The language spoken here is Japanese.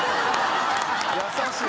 優しい。